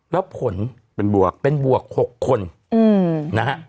แล้วผลเป็นบวก๖คนนะฮะ